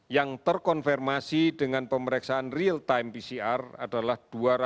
yang terkonfirmasi dengan pemeriksaan real time pcr adalah dua ratus tujuh puluh lima